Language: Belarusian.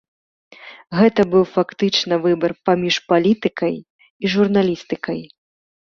Гэта быў фактычна выбар паміж палітыкай і журналістыкай.